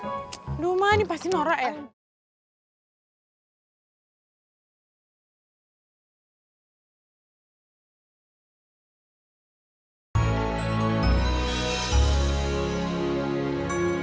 aduh ma ini pasti norak ya